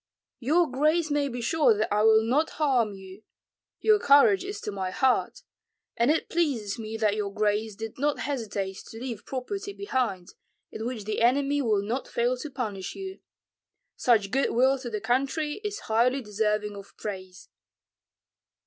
"Your grace may be sure that I will not harm you; your courage is to my heart. And it pleases me that your grace did not hesitate to leave property behind, in which the enemy will not fail to punish you. Such good will to the country is highly deserving of praise."